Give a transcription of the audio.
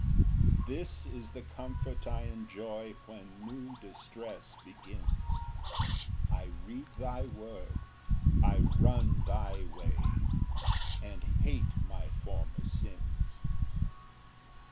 Ver. 50. 3 This is the comfort I enjoy When new distress begins, I read thy word, I run thy way, And hate my former sins.